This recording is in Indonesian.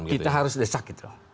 kita harus desak itu